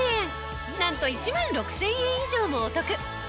なんと１万６０００円以上もお得。